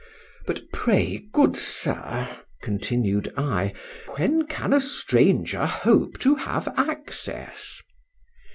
—But pray, good sir, continued I, when can a stranger hope to have access?